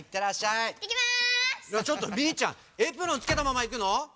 ちょっとみーちゃんエプロンつけたままいくの？